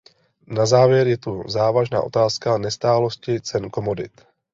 Na závěr je tu závažná otázka nestálosti cen komodit.